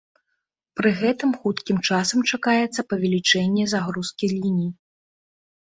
Пры гэтым хуткім часам чакаецца павелічэнне загрузкі ліній.